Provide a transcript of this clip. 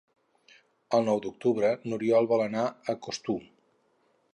El nou d'octubre n'Oriol vol anar a Costur.